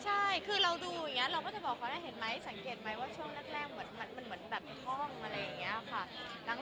ใช่คือเราดูอย่างนี้เราก็จะบอกเขานะเห็นไหมสังเกตไหมว่าช่วงแรกมันเหมือนแบบท่อง